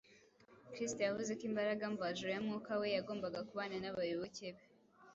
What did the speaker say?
Kristo yavuze ko imbaraga mvajuru ya Mwuka We yagombaga kubana n’abayoboke be